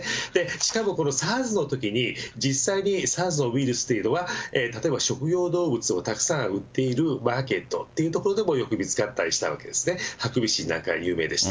しかもこのＳＡＲＳのときに、実際にＳＡＲＳのウイルスというのは、例えば職業動物をたくさん売っているマーケットっていう所でも、よく見つかったりしたわけですね、ハクビシンなんかが有名でした。